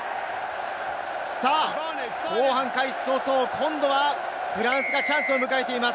後半開始早々、今度はフランスがチャンスを迎えています。